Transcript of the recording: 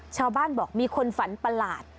ชาวบ้านบอกมีคนฝันประหลาด